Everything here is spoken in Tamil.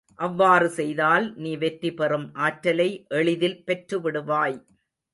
அவ்வாறு செய்தால் நீ வெற்றி பெறும் ஆற்றலை எளிதில் பெற்றுவிடுவாய்.